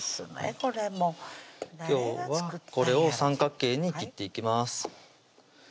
これも今日はこれを三角形に切っていきます